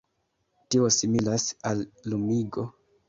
Tio similas al lumigo.